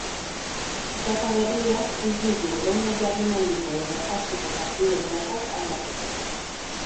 Data berriak ez ditu hurrengo jardunaldiko edo faseko partiden datak aldatuko.